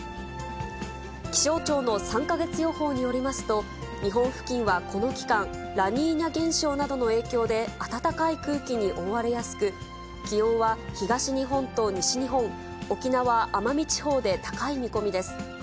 気象庁の３か月予報によりますと、日本付近はこの期間、ラニーニャ現象などの影響で暖かい空気に覆われやすく、気温は東日本と西日本、沖縄・奄美地方で高い見込みです。